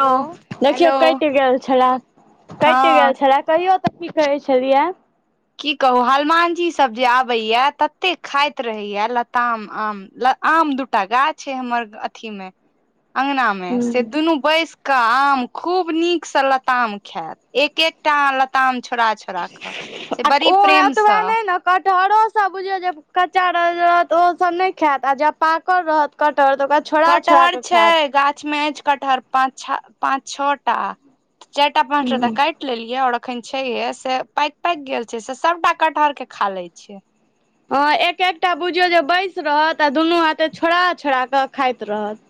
हँ ओ देखियौ हेलो कटि गेल छलए कटि हँ गेल छलए कहियो कथी कहै छलियै की कहू हनुमान जी सब जे आबै या तते खाईत रहैया लताम आम आम दूटा गाछ छै हमर अथी मे अंगना मे ह से दुनू बैस के आम खूब नीक से लताम खायत एक एकटा लताम छोड़ा छोड़ा छोड़ाक ओ ओएह तऽ बएह नहि ना कटहरो सब बुझियौ जे कच्चा रहत त ओहो सब नहि खायत आ जब पाकल रहत कटहर तऽ छोड़ा छोड़ा कटहर कऽ छै खायत गाछ मे अछि कटहर पाँच पाँच छओटा चारिटा पाँचटा त ह काटि क लेलियै और अखन छैहे से पाकि पकि गेल छै से सबटा कटहर के खा लै छै हँ एक एकटा बुझियौ जे बैस रहत आ दुनू हाथे छोड़ा छोड़ा कऽ खाईत रहत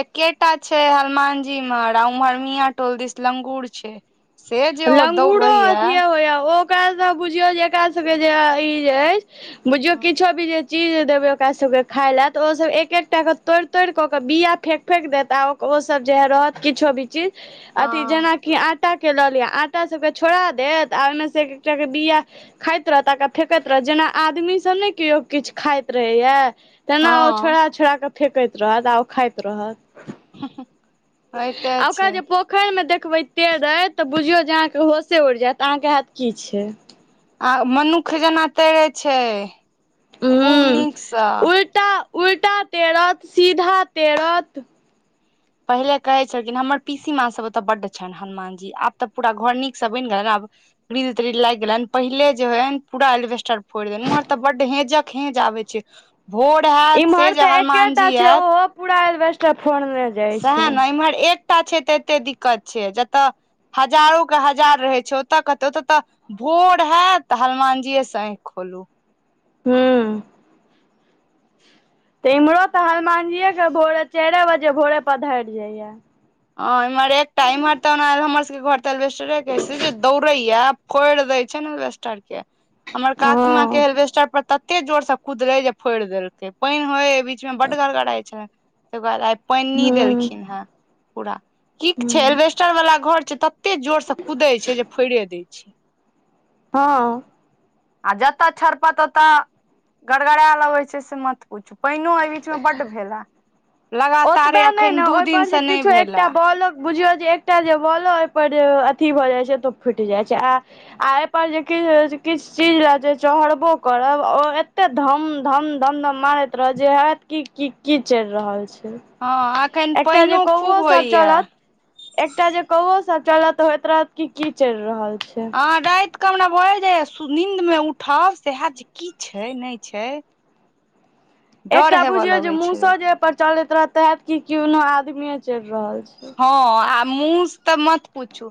एकेटा छै हनुमान जी इम्हर आ ऊमहर मिया टोल दिस लंगुर छै से जे ओ दौड़ लंगूड़ो रहैया अथिए होइय ओ बुझियो एकरा सब जे जे बुझियो किछो भी जे चीज देबे ओकरा सबके खाय ले तऽ ओ सब एक एकटा के तोड़ि तोड़ि के ओ बिया फेक फेक देत आ ओ सब जे ह रहत किछो भी चीज अथी हँ जेनाकी आटा के लऽ लिय आटा सबके छोड़ा देत आ ओहिमेसँ एकटाके बिआ खाईत रहत आ फेेकैत रहत जेना आदमीसभ नहि केओ किछ खाईत रहैया तेना ओ हँ छोड़ा छोड़ा के फेेकैत रहत आ ओ खाईत रहत होइते आ छै ओकरा पोखिर मे जे देखबै तेरैत बुझियो जे अहाँके होशे उड़ि जायत अहाँके हयत की छै आ मनुक्ख जेना तैरे छै खूब नीकसँ उलटा उल्टा तेरत सीधा तेरत पहिले कहै छलखिन हमर पीसी माँ सब ओतय बड्ड छनि हनुमान जी आब तऽ पूरा घर नीक से बनि गेलनि आब गीरील त्रिल लागि गेलैन पहिले जे होयन पूरा एलिबेस्टर फोड़ि देेल उम्हर तऽ बड्ड हेंजक हेंज आबै छै भोर हेयत से इम्हर जे तऽ हनुमान एकेटा जी छै आयत ओहो पूरा एलिबेस्टर फोरने सएह ने इम्हर एकटा छै तऽ एतेक दिक्कत छै जतय हजारोके हजार रहै छै ओतऽ कते ओतऽ तऽ भोर हैयत तऽ हनुमान जीे से आँख खोलू हू तऽ इम्हरो तऽ हनुमान जीे के भोरे चारे बजे भोरे प पधारि जायया एम्हर एकटा घर तऽ एलबेस्टरे अय से जे दौड़य या फोड़ि दैय छनि एलिबेस्टर के हमर काकीमां हँ के ऐल्वेस्टर पर तत्ते जोर से कुदले जे फोड़ि देलकै पानि होय बीच मे गरगड़ाइ छल तकर बाद आइ पन्नी हूं देलखिन ह पूरा कि हूं छै एलिबेस्टर वाला घर छै तते जोर से कुदै छै जे फोड़े दय छै हँ आ जतऽ छड़पत ओतऽ गड़गड़ा लगे छै से मत पुछु पानियो एहि बीच मे बड्ड भेल हा ओतबे नहि ने ओहि पर जे नहि किछु भेला एकटा बॉलो बुझियो जे एकटा जे बॉलो ओहिपर जे अथी भऽ जाय छै तऽ फुटि जाई छै आ आ एहिपर जे किछ किछ चीज ल जे चढ़बो करब ओ एते धम धम धम धम मारैत रह जे हयत क की चलि रहल छै हँ अखन एकटा जे पानिओ खूब कौओ सब होइया चलत एकटा जे कौओ सब चलत त होयत रहत की चल रहल छै ह राति कऽ हमरा बल जाय नींन्द मे उठउ सह जे की छै नहि छै डर एकटा हेबऽ बुझियो जे लगै छै मुसो जे लोकके पर चलैत रह तेहत कि केनो आदमीे चेल रहल छै हँ आ मुस तऽ मत पूछु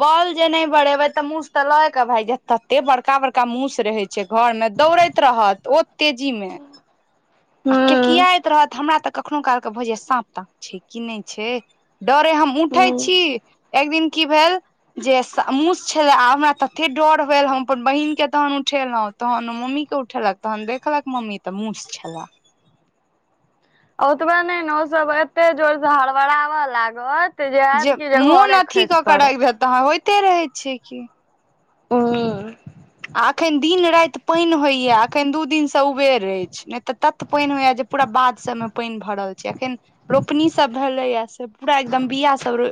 बल जे नहि बढ़ेबे ते मूस ते लय के भाय जे तते बड़का बड़का मुस रहे छै घरमे दौड़ैत रहत ओत तेजी मे आ हूँ केकियाइत रहत हमरा तऽ कखनो कालके भऽ जाय साँप ताँप छै कि नहि छै डरे हम उठै हूँ छी एक दिन की भेल जे मुस छले आ हमरा ततथे डर भेलल हम अपन बहिन के तहन उठेलहुँ तहन ओ मम्मी के उठेलक तहन देखलक मम्मी तऽ मूस छले ओतबे नहि ने ओ सब एते जोर से हड़बड़बऽ लागत हयत जे कि मोन घरे अथी खसि कऽ के पड़त राखि देत तहाँ होइते रहे छी की ह आ एखन दिन राति पानि होइया एखन दू दिनसँ उबेर अछि नहि तऽ तत पानि होइया जे पूरा बाध सबमे पानि भ रहल छै अखन रोपनी सब भेलै या से पूरा एकदम बिआ सब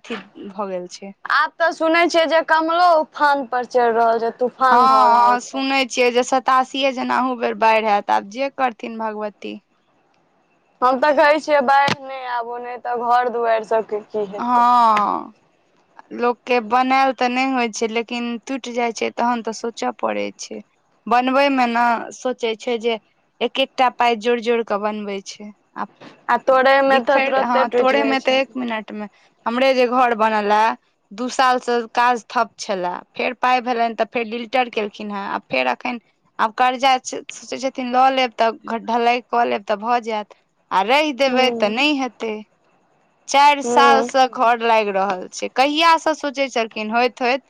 अथी भऽ गेल छै आब ते सुन छे जे कमलो उफान पर चढ़ रहल जेत हँ हँ सुनैत छियै जे सतासीे जेना अहूँ बेर बाढ़ि हत आब जे करथिन भगवती हम तऽ कहै छियै बाढ़ि नहि आबू नहि तऽ घर दुआरि सबके की हेतै हँ लोकके बनायल तऽ नहि होइ छै लेकिन टूटि जाइ छै तहन तऽ सोचऽ पड़ै छै बनबै मे न सोचे छै जे एक एकटा पाइ जोड़ि जोड़ कऽ बनबै छै आ तोड़े मे तऽ बिखर हँ तुरते टूटि तोड़े जाइ मे छै तऽ एक मिनट मे हमरे जे घर बनल है दू सालसँ काज ठप्प छलए फेर पाइ भेलनि तऽ फेर लिल्टर केलखिन हेँ आ फेर एखन आब कर्जा सोचै छथिन लऽ लेब तऽ ढलाई कऽ लेब तऽ भऽ जायत रहि देबै हूं तऽ नहि हेतै चारि हूं सालसँ घर लागि रहल छै कहिआस से सोचै छलखिन होइत होइत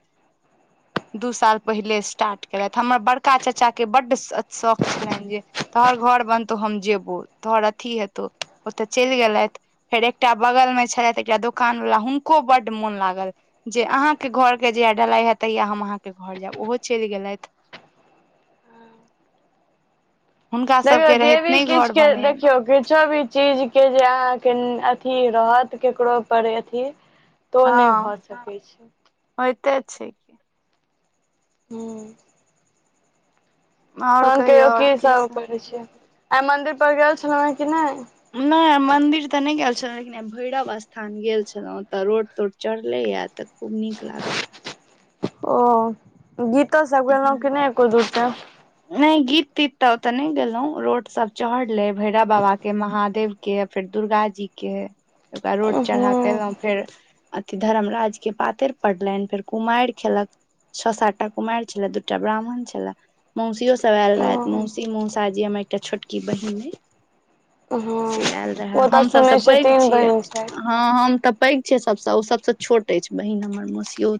[inaudible] दू साल पहिले स्टार्ट केलथि हमर बड़का चाचा के बड शौक छलनि तोहर घर बनतौ हम जेबो तोहर अथी हेतौ ओतऽ चलि गेलेथ फेर एकटा बगल मे छले एकटा दोकान वला हुनको बड्ड मोन लागल जे अहा के घर के जहिया डलाई हे तहिया हम अहाँ के घर जायब ओहो चलि गेलथि हुनका देखयो सबके जे रहैत भी नहि किछ घर बनलनि देखियो किछ भी चीज के जे अहाँ के अथी रहत केकरो पर अथी तो नहि भऽ सकैत छै होएते अछि हूँ तहन कहियौ की सब करै छै आइ मंदिर पर गेल छलहुँ हें कि नहि नहि मंन्दिर तऽ नहि गेल छलो भैरव स्थान गेल छलहुं तऽ रोड तोड चढ़ले या ते खूब नीक लागल ओ गीता सब गेलहु हूँ कि नहि एको दू टा नहि गीत तीत तऽ ओते नहि गेलहुं रोट सब चढ़ले भैराव बाबा के महादेव के फेर दुर्गा जी के ओकरा रोड चढ़ा उहूं के फेर अथि धर्मराज के पातैर पड़लनि फेर कुमारि खेलक छ सात टा कुमारि छले दूटा ब्राह्मण छले मौसियो सब आयल ओ रहथि मौसी मौसाजी हमर एकटा छोटा की बहिने हँ से आयल रहे ओ तऽ हम सब सुनै से पैघ तीन छियै बहिन छथि हँ हम तऽ पैक छीयै सबसे ओ सबसे छोट अछि बहिन हमर मसियो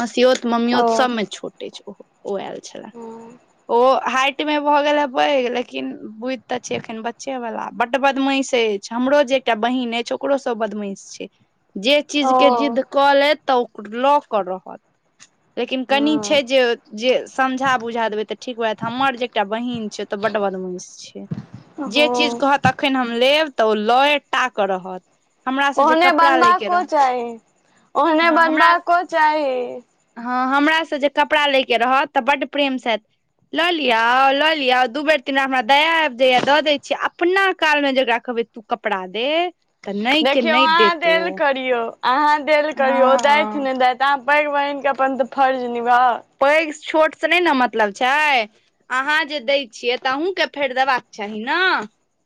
मसियो मसियोत मम्मीऔ ओ सब मे छोटे छै ओ ओ आयल छले हँ ओ हा मे भऽ गेल है पैघ लेकिन बुद्धि तऽ छै एखन बच्चे वाला बट बदमाश अछि हमरो जे एक टा बहिन अछि औकरो स ओ बदमश छै जे चीज ओ के जिद्द कऽ लेत तऽ ओ लऽ के रहत लेकिन कनि हँ छै जे जे समझा बुझा देबे ते ठीक बात हमर जे एकटा बहिन छै ओते बड बदमास छिये ह फिर कहत अखैन हम लेब तऽ लये टाक रहत हमरा से जे ओहने कपड़ा बनबा ले के को रहत चाही ओहने बनबा को चाही हँ हमरा से जे कपड़ा लैय क रहत तऽ बड्ड प्रेम से ऐत लऽ लियो लऽ लियो दू बेर तीन बेर हमरा दया आबि जाइ य दऽ दय छीयै अपना काल मे जेकरा कहबै कपड़ा दे तऽ नहि के देखियौ नहि अहाँ देत ओ देल करियौ अहाँ देल करियौ उ दैथ हँ नहि दैथ अहाँ पैघ बहिन के अपन तऽ फर्ज निभउ पैघ छोट सँ नहि न मतलब छै अहाँ जे दै छियै तऽ अहु के फेर देबाक चाही न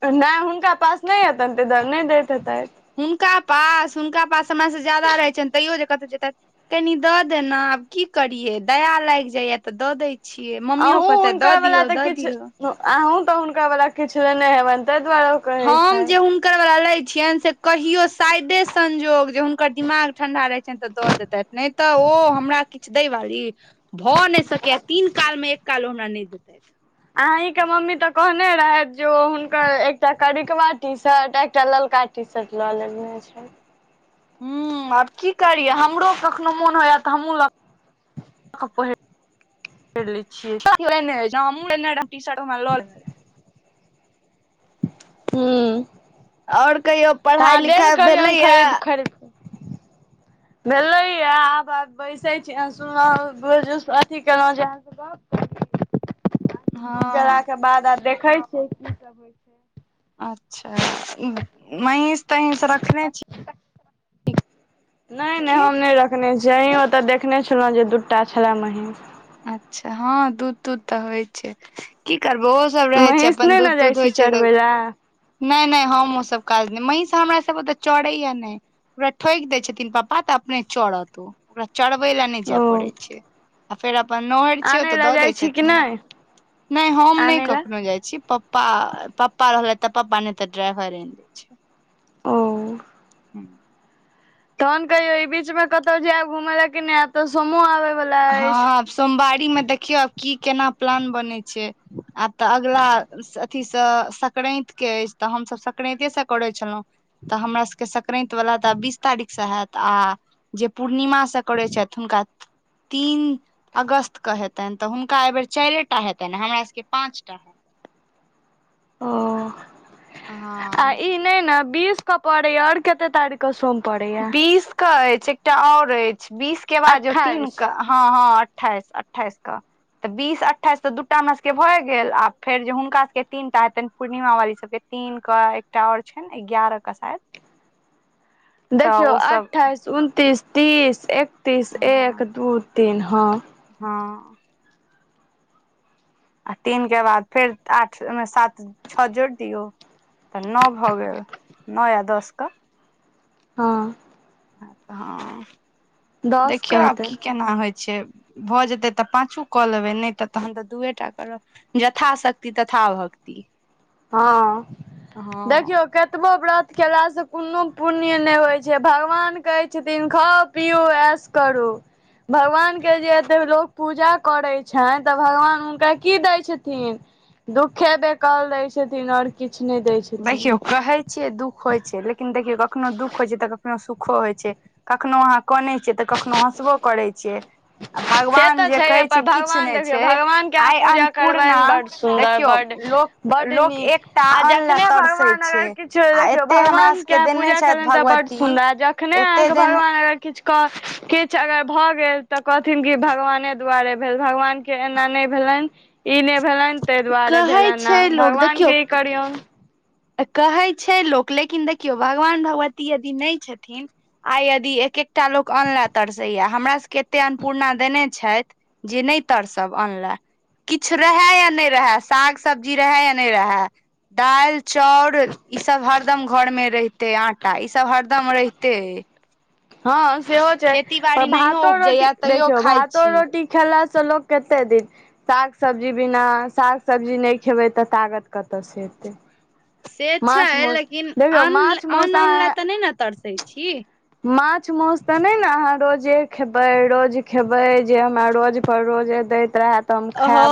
नय हुनका पास नय हेतनि तै दुआरे नहि दैत हेतै हुनका पास हुनका पास हमरा से ज्यादा रहै छैन तैयो जे कहतइ जे तते कनी दऽ देना आब की करियै दया लागि जाइ य तऽ दऽ दैत छियै मम्मियो कहते दऽ दियौ दऽ दियौ अहुँ तऽ हुनका वला किछु लेने हेबनि ताहि दुआरे कहैत हम जे [inaudible] छैन से कहियो साायदे संयोग जे हुनकर दिमाग ठंडा रहै छनि तऽ दऽ देत नहि तऽ ओ हमरा किछ दै वाली भऽ नैय सकैए य तीन काल मे एक काल ओ हमरा नहि देतै अही के मम्मी तऽ कहने रहथि जे ओ हुनकर एकटा करिकवा टी शर्ट एकटा ललका टीशर्ट लऽ लेने छै हँ आब की करियै हमरो कखनो मोन होइय तऽ हमहूँ लग कपरा पहिन ले छिये [unintelligible] हूँ रहे आओर कहियो तऽ पढ़ाइ अहाँ देल लिखाइ करियौन भेलैया खरीद खरीद क भेलेयए आब बैसे छी सुबह अथी केलहु [unintelligible] हँ काके बाद आ देखै छियै की सब होइ छै अच्छा महींस तहींस रखने छिय नहि नहि की हम नहि रखने छी अहि ओतऽ देखने छलहुँ जे दूटा छलए महीस अच्छा हँ दूध तूध तऽ होइ छै की करबो सब रहै छै महींष अपन नहि ने दूध जाइ तूध छी होइ छै तऽ चरबै लए नइ नइ हम ओसभ काज नहि महीष हमरा सभ ओतऽ चड़ैए य नहि ओकरा ठोकि देय छथिन पापा तऽ अपने चड़त ओ ओकरा चरबै लऽ नहि जाय ओ पड़ै छै आ फेर अपन नहर छियै ओ आनै तऽ लए दऽ दै जाइ छी कि छथिन नहि नहि हम नहि आनै लए कखनो जाइ छी प पा पपा रहले तऽ पपा ने तऽ ड्राइवर आइन दै छै ओ हूँ [inaudible] तहन कहियो ई बीच में कतौ जायब घूमय ल कि ने आब तऽ सोम आबे वाला हँ अछि आब सोमवारी में देखियौ आब की केना प्लान बनेय छै आब तऽ अगला अथी सँ संक्रैत के अछि तऽ हम सभ संक्रैते से करै छलहुँ तऽ हमरा सभ के संक्रैत वला तऽ बीस तारीख से हयैत आ जे पूर्णिमा सँ करैत छथि हुनका तीन अगस्त क हेतनि तऽ हुनका एहिबेर चाईरेटा हेतनि हमरा सबके पांच टा हेत ओ आ हँ ई नै न बीस क पड़य य आओर कते तारिक क सोम पड़ैया क अछि एकटा आऔर अछि बीस के बाजो तीन अठाइस के हँ हँ अठाइस अठाइस क तऽ बीस अठाइस तऽ दू टा हमरा सभके भए गेल आ फेर जे हुनका सभके तीन टा हेतनि पूर्णिमा वाली सब के तीन के एकटा आओर छनि एगारह के शायद तऽ देखियौ ओ सब अठाइस उनतीस तीस एकतीस एक हँ दू तीन हँ हँ आ तीन के बाद फेर आठ ओमे सात छ जोइड़ दियौ तऽ नो भऽ गेल न या दस क हँ हँ दस देखियौ के आब हेतै की केना होइ छै भऽ जेतै तऽ पाँचो कऽ लेबै नहि तऽ तहन तऽ दूए टा करब जथा शक्ति तथा भक्ति हँ हँ देखियौ केतबो ब्रत केलासँ कोनो पुण्य नै होइ छै भगवान कहै छथिन खाउ पियु ऐस करू भगवान के जे एते लोक पूजा करै छनि तऽ भगवान हुनका की दै छथिन दुःखे बेकल दै छथिन और किछ नै देखियौ कहै छियै दुःख होइ छै लेकिन देखियौ कखनो दुःख होइ छै तऽ कखनो सुखो होइ छै कखनो आहाँ कनै छियै तऽ कखनो हँसबो करै छियै आ से भगवान तऽ जे छैए कहै पर छै किछु भगवान नहि देखियौ छै भगवानके अहाँ आइ पूजा अन्नपूर्णा करबनि बड सुन्दर देखियौ बड लोक बड लोक नीक एकटा आ अन्न जखने लए तरसै भगवान छै अगर किछु आ देखियौ एते हमरा भगवान के सबके अहां देने पूजा छथि केलनि तऽ बड भगवती सुन्दर जखने अहाँ एते के देन भगवान र किछु क किछु अगर भऽ गेल तऽ कहथिन कि भगवाने दुआरे भेल भगवान के एना नै भेलनि ई ने भेलनि ताहि दुआरे कहै भेलनि छै भगवान के ई करियौन कहे छै लोक लेकिन देखियौ भगवान भगवती यदि नै छथिन आइ यदि एक एकटा लोक अन्न लए तरसैया हमरा सबके एते अन्नपूर्णा देने छथि जे नै तरसब अनले किछु रहे या नहि रहे साग सब्जी रहे या नहि रहे दालि चाउर ई सब हरदम घर में रहते आटा ई सब हरदम रहिते है हँ से हो छै पर बाड़ी नहियो भातो रोटी उपजैया तैयो देखियौ खाइ भातो छी रोटी खेला सँ लोक कते दिन साग सब्जी बिना साग सब्जी नै खेबै तऽ तागत कतयसँ एतै से छै माछ मौस लेकिन देखियौ अन्ना माछ मौस अन्नला अहाँ तऽ नै न तरसै छी माछ माउस तऽ नै ने अहाँ रोजे खेबै रोज खेबै जे हमरा रोज पर रोजे दैत रहैत ह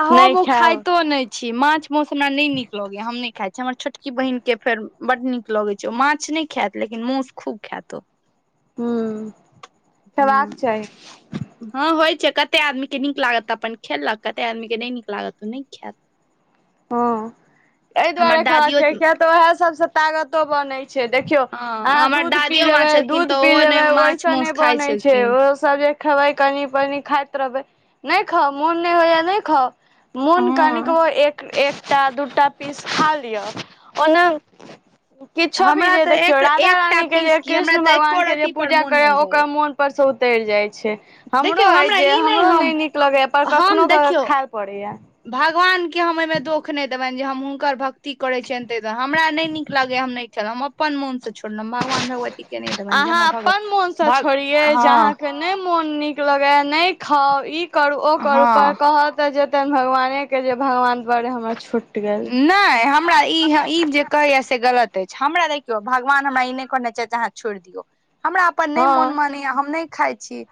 आ हम ओ खाइतो नै छी माछ माउस हमरा नै नीक लगैया हम नै खाय छी हमर छोटकी बहिन के फेर बड नीक लगे छै ओ माछ नै खेइत लेकिन माउस खूब खेइत हूं खेबाक चाही हां होइ छै कते आदमी के नीक लागत तऽ अपन खेलक कते आदमी के नै नीक लागत तऽ नै खेयत हँ एहि हमर दुआरे खबाक दादियो चाही किय तऽ उएह सबसँ तागतो बनै छै देखियौ अहाँ हँ हमर दूध पी दादियो माँ लेबै छलखिन दूध तऽ पी ओहो लेबै नहि माछ ओहिसँ माउस नहि खाइ बनै छै छलखिन ओ सब जे खेबै कनी पनी खाइत रहबै नहि खाउ मोन नहि होइया नहि खाउ मोन कनिक हँ ओ एक एकटा दूटा पीस खा लिअ ओना किछो भी हमरा जे तऽ देखियौ एक राधा एकटा रानीके जे पीस की हमरा कृष्ण तऽ एको भगवानके जे रती पर पूजा मोन करय नहि ओकर जाइया मोन ऊपर से उतरि जाय छै हमरो देखियौ अछि हमरा जे ई हमरो नहि हम नीक लगैया पर कखनो हम देखियौ खाय पड़ैया भगवान के हम ओहिमे दोख नहि देबनि जे हम हुनकर भक्ति करैत छियनि ताहि हमरा नहि नीक लागैए हम नहि खेलहुँ हम अपन मोन से छोड़लू भगवान भगवती के नहि देबनि जे हमरा अहाँ अपन मोनसँ भगवान छोड़ियै जे हँ अहाँके नहि मोन नीक लगेय नहि खाउ ई करु ओ करु पर हँ कहत तऽ जेतैनि भगवानेके जे भगवान दुआरे हमर छुट नहि हमरा ई ई जे कहय यै से गलत अछि हमरा देखौ भगवान हमरा इ नहि कहने जतिन जे छोड़ दियौ हम अपन मोन नहि हँ मानय म [unintelligible] हम नहि खाय छी